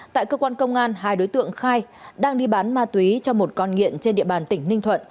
tại cơ quan công an hai đối tượng khai đang đi bán ma túy cho một con nghiện trên địa bàn tỉnh ninh thuận